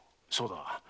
そうだ。